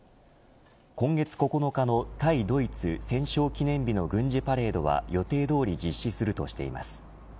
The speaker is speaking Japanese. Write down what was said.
今月９日の対ドイツ戦勝記念日の軍事パレードは予定どおり実施するとしています。